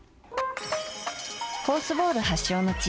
ホースボール発祥の地